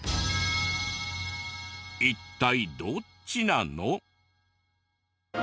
一体どっちなの？